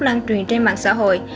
lan truyền trên mạng xã hội